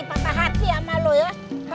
patah hati sama lo ya